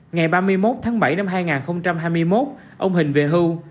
ngày ba mươi một tháng bảy năm hai nghìn hai mươi một ông hình về hưu